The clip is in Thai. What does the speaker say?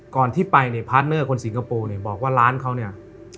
ก่อนที่ไปเนี่ยพาร์ทเนอร์คนสิงคโปร์เนี่ยบอกว่าร้านเขาเนี่ย